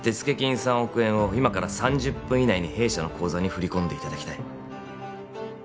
３億円を今から３０分以内に弊社の口座に振り込んでいただきたい